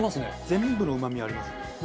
全部のうまみありますね。